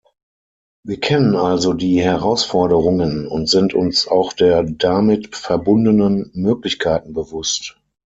Wir kennen also die Herausforderungen und sind uns auch der damit verbundenen Möglichkeiten bewusst.